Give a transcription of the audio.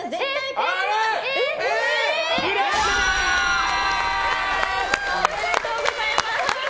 プラチナ！おめでとうございます。